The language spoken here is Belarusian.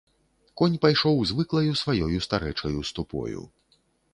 Конь пайшоў звыклаю сваёю старэчаю ступою.